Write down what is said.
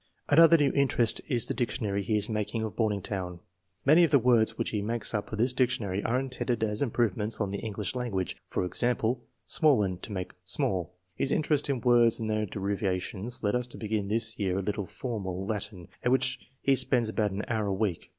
"Another new interest is the dictionary he is mak ing of 'Borningtown/ Many of the words which he makes up for this dictionary are intended as improve ments on the English language. For example 'smallen,' to make small. His interest in words and their derivations led us to begin this year a little formal Latin, at which he spends about an hour a week.